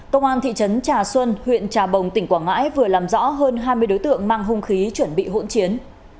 công an thị trấn trà xuân huyện trà bồng tỉnh quảng ngãi vừa làm rõ hơn hai mươi đối tượng mang hung khí chuẩn bị hỗn chiến